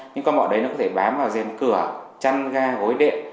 những con bọ đấy nó có thể bám vào dèm cửa chăn ga gối đệm